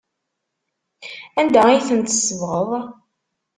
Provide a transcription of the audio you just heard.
Anda ay ten-tsebɣeḍ?